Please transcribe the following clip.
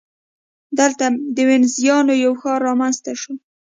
دلته د وینزیانو یو ښار رامنځته شو.